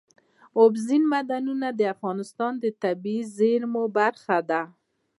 اوبزین معدنونه د افغانستان د طبیعي زیرمو برخه ده.